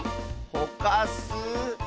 ほかす。